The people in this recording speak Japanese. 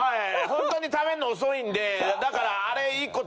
ほんとに食べんの遅いんでだからあれ１個